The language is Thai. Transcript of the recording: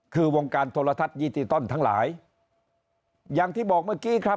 คือวงการโทรทัศน์ดิจิตอลทั้งหลายอย่างที่บอกเมื่อกี้ครับ